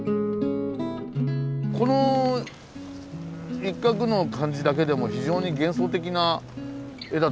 この一角の感じだけでも非常に幻想的な絵だと思うんですよね。